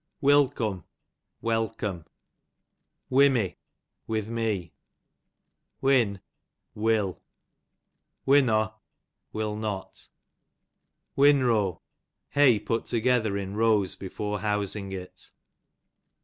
Wilcome, welcome. Wimmy, with me. Win, will. Winnaw, will not. Winrow, hay put together in rows before housing it.